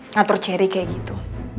ngatur ceri kayak gitu